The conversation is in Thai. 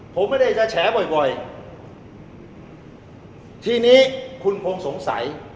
ผมไม่ได้จะแฉบ่อยบ่อยทีนี้คุณคงสงสัย